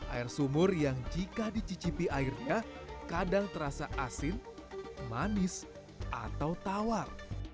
air sumur yang jika dicicipi airnya kadang terasa asin manis atau tawar